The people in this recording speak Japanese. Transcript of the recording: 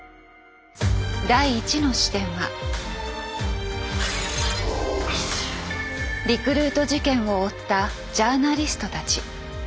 第１の視点はリクルート事件を追ったジャーナリストたち。